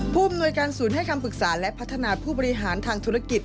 ผู้อำนวยการศูนย์ให้คำปรึกษาและพัฒนาผู้บริหารทางธุรกิจ